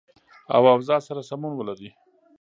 او اوضاع سره سمون ولري